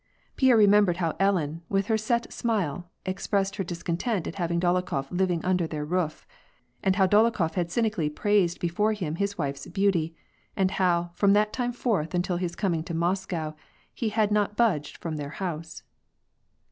Pierre remembered how Ellen, with her set smile, expressed her discontent at having Dolokhof living under their roof ; and how Dolokhof had cynically praised before him his wife's beauty, and how, from that time forth until his coming to Moscow, he had not budged from their house.